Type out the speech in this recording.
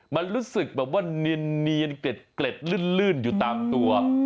มันรู้สึกแบบว่าเนียนเกร็ดลื่นอยู่ตามตัว